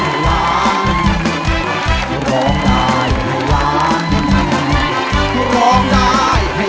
สวัสดีครับ